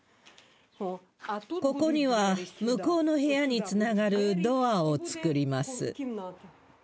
ここには、向こうの部屋につながるドアを作ります。